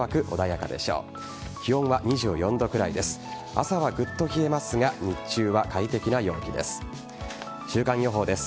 朝はぐっと冷えますが日中は快適な陽気です。